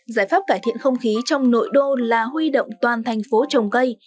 giải pháp cải thiện không khí trong nội đô là huy động toàn thành phố trồng cây